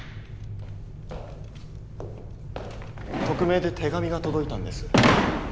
匿名で手紙が届いたんです。